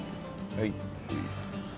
はい。